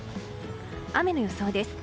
雨の予想です。